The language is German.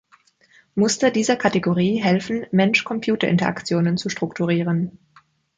Muster dieser Kategorie helfen, Mensch-Computer-Interaktionen zu strukturieren.